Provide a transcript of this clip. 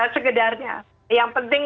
segedarnya yang penting